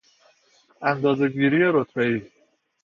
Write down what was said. اندازهگیری رتبهای